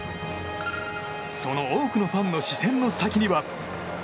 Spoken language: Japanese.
その多くのファンの視線の先には。